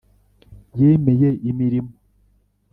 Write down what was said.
Yemeye imirimo.